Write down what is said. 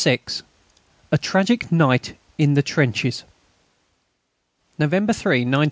A TRAGIC NIGHT IN THE TRENCHES _November 3, 1914.